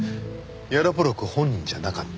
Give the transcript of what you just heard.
ヤロポロク本人じゃなかった。